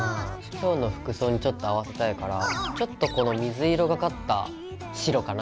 今日の服装にちょっと合わせたいからちょっとこの水色がかった白かな。